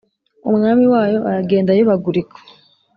umwami wayo aragenda ayobagurika